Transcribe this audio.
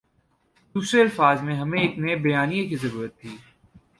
دوسرے الفاظ میں ہمیں ایک نئے بیانیے کی ضرورت تھی۔